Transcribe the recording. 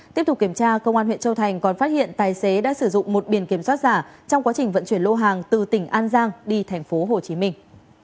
tiếp tục kiểm tra công an huyện châu thành còn phát hiện tài xế đã sử dụng một biển kiểm soát giả trong quá trình vận chuyển lô hàng từ tỉnh an giang đi thành phố hồ chí minh